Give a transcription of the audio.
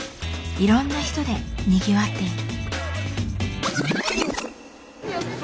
いろんな人でにぎわっている。